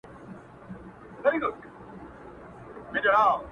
• خو څرنګه چي د پښتو په ژبه کي -